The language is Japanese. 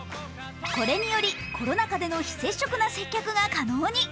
これによりコロナ禍での非接触な接客が可能に。